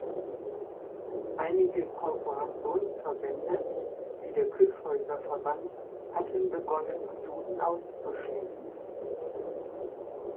Einige Korporationsverbände wie der Kyffhäuser-Verband hatten begonnen, Juden auszuschließen.